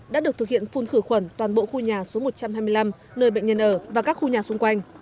đã được thực hiện phun khử khuẩn toàn bộ khu nhà số một trăm hai mươi năm nơi bệnh nhân ở và các khu nhà xung quanh